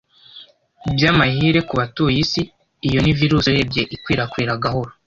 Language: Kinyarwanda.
By'amahire ku batuye isi, iyo ni virusi urebye ikwirakwira gahoro